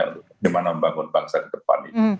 untuk bagaimana membangun bangsa di depan ini